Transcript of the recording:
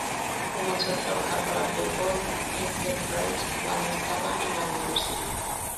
Comenzó a trabajar para Playboy Enterprises cuando estaba en la universidad.